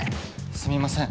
すみません。